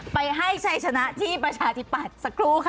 ไปให้ชัยชนะที่ประชาธิปัตย์สักครู่ค่ะ